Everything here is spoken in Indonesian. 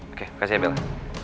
oke kasih ya bella